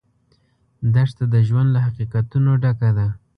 دښته د ژوند له حقیقتونو ډکه ده.